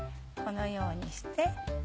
このようにして。